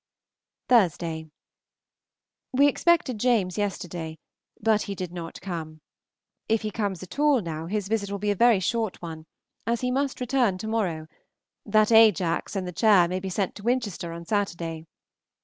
Thursday. We expected James yesterday, but he did not come; if he comes at all now, his visit will be a very short one, as he must return to morrow, that Ajax and the chair may be sent to Winchester on Saturday.